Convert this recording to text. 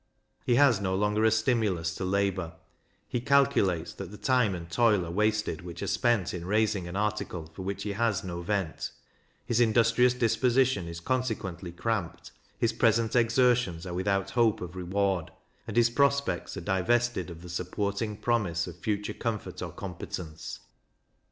He has no longer a stimulus to labour; he calculates that the time and toil are wasted which are spent in raising an article for which he has no vent; his industrious disposition is consequently cramped; his present exertions are without hope of reward; and his prospects are divested of the supporting promise of future comfort or competence.